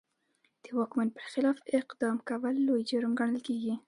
د واکمن پر خلاف اقدام کول لوی جرم ګڼل کېده.